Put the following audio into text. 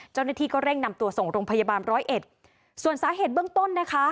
เจ้าหน้าที่ก็เร่งนำตัวส่งโรงพยาบาลร้อยเอ็ดส่วนสาเหตุเบื้องต้นนะคะ